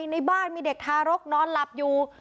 ในบ้านมีเด็กทารกนอนหลับอยู่